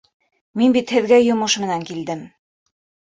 Мин бит һеҙгә йомош менән килдем.